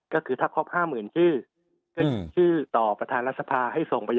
ก็คือถ้าครบ๕๐๐๐ชื่อก็หยิบชื่อต่อประธานรัฐสภาให้ส่งไป